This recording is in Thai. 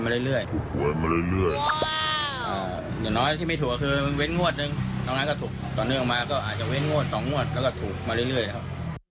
ตอนนึกออกมาก็อาจจะเว้นงวดสองงวดแล้วก็ถูกมาเรื่อยครับ